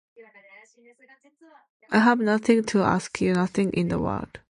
I have nothing to ask you, nothing in the world.